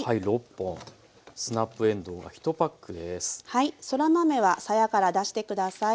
はいそら豆はさやから出して下さい。